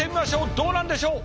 どうなんでしょう？